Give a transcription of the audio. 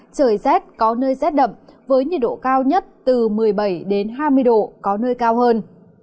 trời rét có nơi rét đậm với nhiệt độ cao nhất từ một mươi bảy hai mươi độ có nơi cao hơn